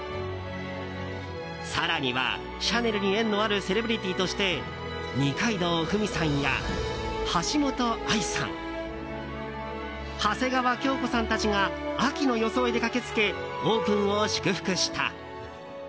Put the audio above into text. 更には、シャネルに縁のあるセレブリティーとして二階堂ふみさんや橋本愛さん長谷川京子さんたちが秋の装いで駆けつけオープンを祝福した。